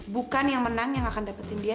bukan yang menang yang akan dapetin dia